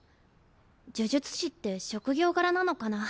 呪術師って職業柄なのかな。